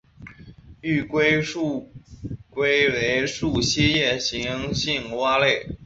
王氏树蛙为树栖夜行性蛙类。